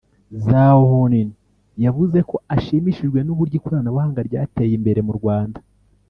Zhao Houlin yavuze ko ashimishijwe n’ uburyo ikoranabuhanga ryateye imbere mu Rwanda